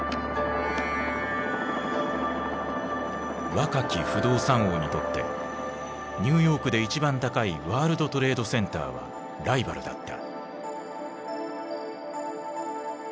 若き不動産王にとってニューヨークで一番高いワールドトレードセンターはライバルだった。